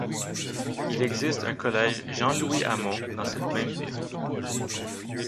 Il existe un collège Jean Louis Hamon dans cette même ville.